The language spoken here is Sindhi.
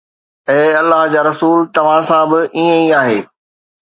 اي الله جا رسول، توهان سان به ائين ئي آهي؟